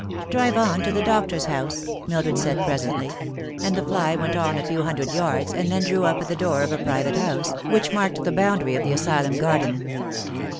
" Drive on to the doctor's house," Mildred said presently ; and the fly went on a few hundred yards, and then drew up at the door of a private house, which marked the boundary of the asylum garden.